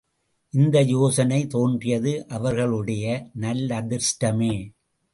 இந்த யோசனை தோன்றியது.அவர்களுடைய நல்லதிர்ஷ்டமே.